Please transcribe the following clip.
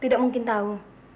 tidak mungkin tahu